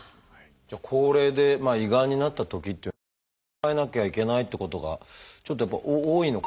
高齢で胃がんになったときっていうのは考えなきゃいけないってことがちょっとやっぱり多いのかなっていう。